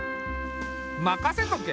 任せとけ。